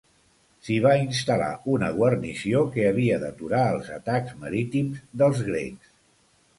S'hi va instal·lar una guarnició que havia d'aturar els atacs marítims dels grecs.